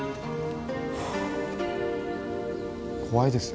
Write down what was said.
怖いですよ